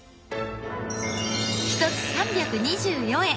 １つ３２４円